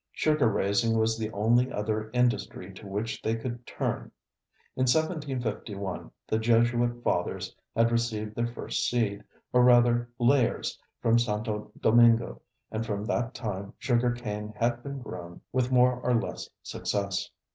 Sugar raising was the only other industry to which they could turn. In 1751 the Jesuit fathers had received their first seed, or rather layers, from Santo Domingo and from that time sugar cane had been grown with more or less success.